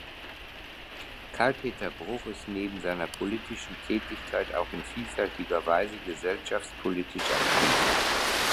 Karl Peter Bruch ist neben seiner politischen Tätigkeit auch in vielfältiger Weise gesellschaftspolitisch aktiv.